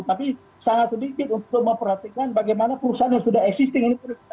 tapi sangat sedikit untuk memperhatikan bagaimana perusahaan yang sudah existing ini